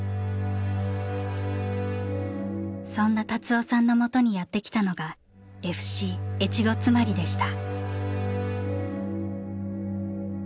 そんな達夫さんのもとにやってきたのがＦＣ越後妻有でした。